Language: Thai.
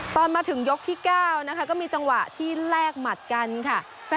ตอนมาถึงยกที่๙นะคะก็มีจังหวะที่แลกหมัดกันค่ะ